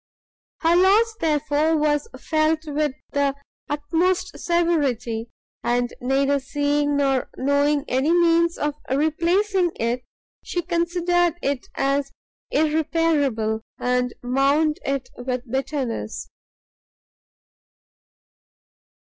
Her loss, therefore, was felt with the utmost severity, and neither seeing nor knowing any means of replacing it, she considered it as irreparable, and mourned it with bitterness.